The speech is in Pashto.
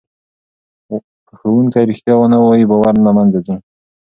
که ښوونکی رښتیا ونه وایي باور له منځه ځي.